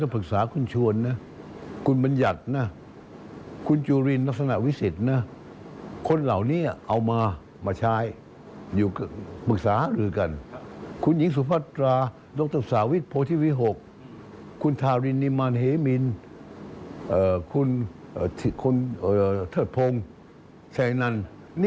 มาช่วยเสริมจุดแข็งในรูปแบบต่าง